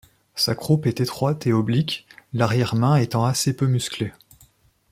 Sa croupe est étroite et oblique, l'arrière-main étant assez peu musclée.